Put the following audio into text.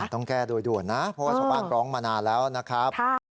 ต้องแก้โดยด่วนนะเพราะว่าชาวบ้านร้องมานานแล้วนะครับ